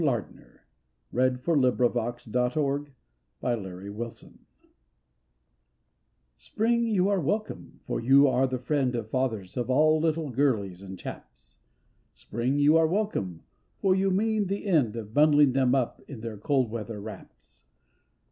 WELCOME TO SPRING Spring, you are welcome, for you are the friend of Fathers of all little girlies and chaps. Spring, you are welcome, for you mean the end of Bundling them up in their cold weather wraps.